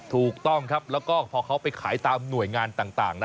ถูกต้องครับแล้วก็พอเขาไปขายตามหน่วยงานต่างนะ